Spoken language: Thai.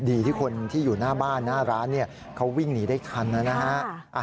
ดีที่คนที่อยู่หน้าบ้านหน้าร้านเขาวิ่งหนีได้ทันนะฮะ